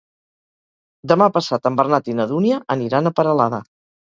Demà passat en Bernat i na Dúnia aniran a Peralada.